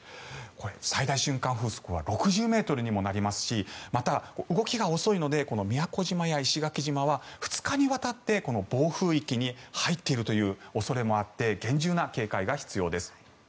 最大瞬間風速は６０ｍにもなりますしまた、動きが遅いので宮古島や石垣島は２日にわたって暴風域に入っているという恐れもあって厳重な警戒が必要です。